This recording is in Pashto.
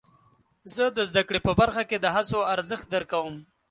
زه د زده کړې په برخه کې د هڅو ارزښت درک کوم.